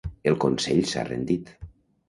El Consell s'ha rendit.